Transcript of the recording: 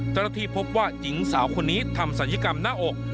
เจ้าหน้าที่พบว่าหญิงสาวคนนี้ทำศัลยกรรมหน้าอก